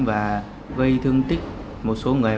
và gây thương tích một số người